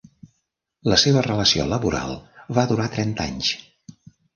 La seva relació laboral va durar trenta anys.